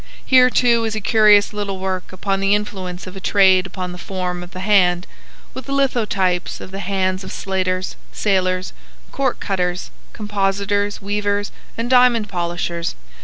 Here, too, is a curious little work upon the influence of a trade upon the form of the hand, with lithotypes of the hands of slaters, sailors, corkcutters, compositors, weavers, and diamond polishers.